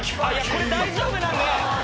これ大丈夫なんで。